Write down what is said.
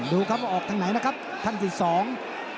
ดูครับว่าออกทางไหนนะครับท่านที่สอง